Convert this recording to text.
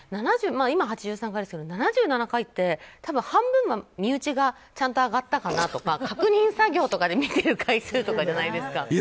今８３回ですけど、７７回って多分、半分は身内はちゃんと上がったかなとか確認作業とかで見ている回数とかじゃないですか。